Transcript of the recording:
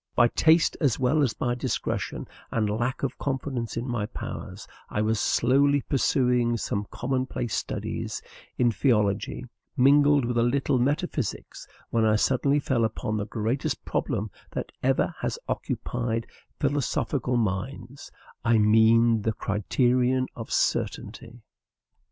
By taste as well as by discretion and lack of confidence in my powers, I was slowly pursuing some commonplace studies in philology, mingled with a little metaphysics, when I suddenly fell upon the greatest problem that ever has occupied philosophical minds: I mean the criterion of certainty.